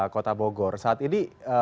kota bogor saat ini